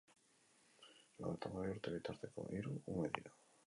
Lau eta hamabi urte bitarteko hiru ume dira.